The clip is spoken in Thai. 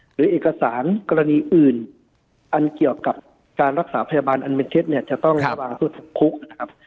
หรือเอกสารกรณีอื่นอันเกี่ยวกับการรักษาพยาบาลอันเป็นเท็จเนี่ยจะต้องระวังโทษจำคุกนะครับ